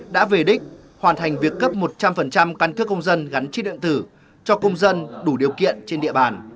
đã về đích hoàn thành việc cấp một trăm linh căn cước công dân gắn chip điện tử cho công dân đủ điều kiện trên địa bàn